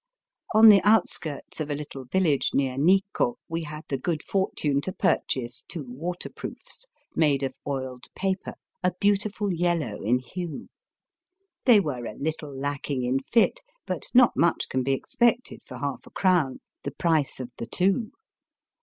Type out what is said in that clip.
On the outskirts of a little village near Nikko we had the good fortune to purchase two waterproofs, made of oiled paper, a beautiful yellow in hue. They were a little lacking in fit, but not much can be expected for half a crown, the price of the two.